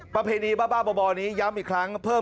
ประเพณีบ้าบ่อนี้ย้ำอีกครั้งเพิ่ม